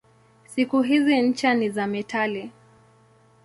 Siku hizi ncha ni za metali.